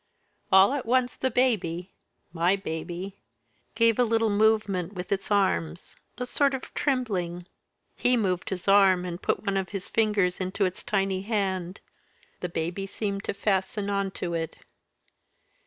All at once the baby my baby gave a little movement with its little arms a sort of trembling. He moved his arm, and put one of his fingers into its tiny hand; the baby seemed to fasten on to it.